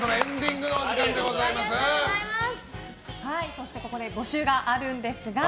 そして、ここで募集があります。